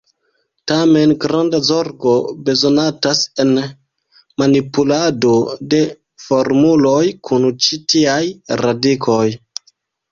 Tamen, granda zorgo bezonatas en manipulado de formuloj kun ĉi tiaj radikoj.